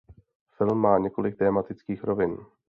Film má několik tematických rovin.